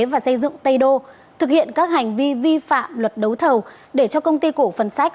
và xây dựng tây đô thực hiện các hành vi vi phạm luật đấu thầu để cho công ty cổ phần sách